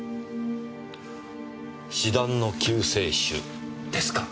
「詩壇の救世主」ですか。